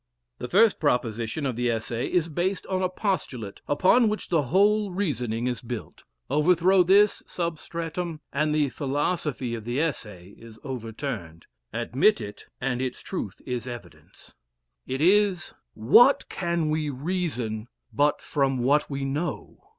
The first proposition of the Essay is based on a postulate, upon which the whole reasoning is built. Overthrow this substratum, and the philosophy of the Essay is overturned admit it, and its truth is evident; it is "What can we reason but from what we know?"